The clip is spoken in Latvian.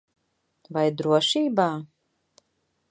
Vai drošībā?